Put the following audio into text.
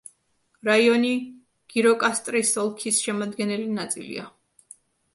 რაიონი გიროკასტრის ოლქის შემადგენელი ნაწილია.